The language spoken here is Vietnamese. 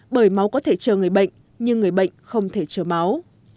bởi máu có thể chờ người bệnh nhưng người bệnh không thể chờ máu